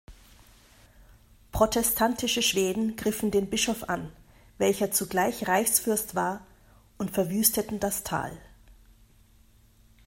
Protestantische Schweden griffen den Bischof an, welcher zugleich Reichsfürst war, und verwüsteten das Tal.